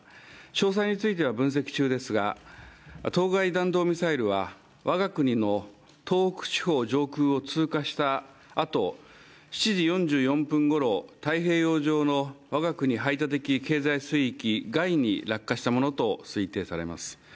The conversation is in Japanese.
詳細については分析中ですが当該弾道ミサイルは我が国の東北地方上空を通過した後、７時４４分頃太平洋上の我が国の排他的経済水域外に落下したものとみられます。